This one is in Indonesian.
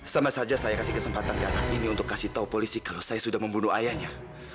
sama saja saya kasih kesempatan ke anak ini untuk kasih tahu polisi kalau saya sudah membunuh ayahnya